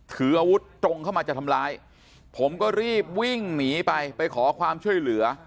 ถืออาวุธตรงเข้ามาจะทำร้ายผมก็รีบวิ่งหนีไปไปขอความช่วยเหลือ